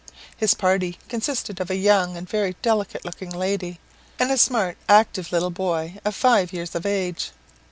His party consisted of a young and very delicate looking lady, and a smart active little boy of five years of age.